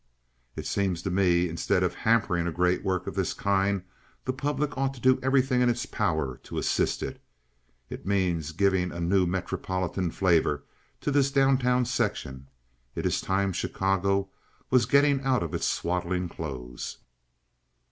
It seems to me instead of hampering a great work of this kind the public ought to do everything in its power to assist it. It means giving a new metropolitan flavor to this down town section. It is time Chicago was getting out of its swaddling clothes."